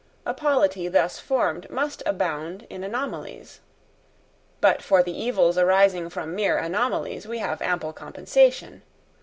A polity thus formed must abound in anomalies. But for the evils arising from mere anomalies we have ample compensation.